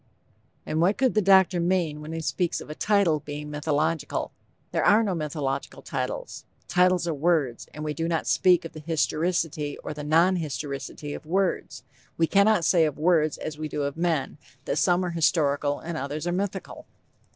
_ And what could the doctor mean when he speaks of a title being "mythological?" There are no mythological titles. Titles are words, and we do not speak of the historicity or the non historicity of words. We cannot say of words as we do of men, that some are historical and others are mythical.